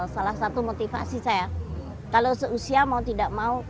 salah satu motivasi saya kalau seusia mau tidak mau